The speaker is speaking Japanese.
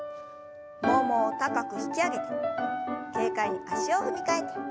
ももを高く引き上げて軽快に足を踏み替えて。